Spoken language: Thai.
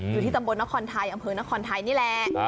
อยู่ที่ตำบลนครไทยอำเภอนครไทยนี่แหละ